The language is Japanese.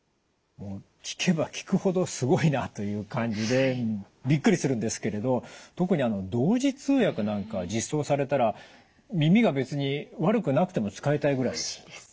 聞けば聞くほどすごいなという感じでびっくりするんですけれど特に同時通訳なんか実装されたら耳が別に悪くなくても使いたいぐらいです。